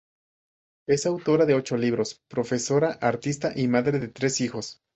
Es autora de ocho libros, profesora, artista y madre de tres hijos.